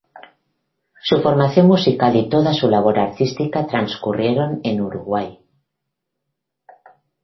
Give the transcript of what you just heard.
Su formación musical y toda su labor artística transcurrieron en Uruguay.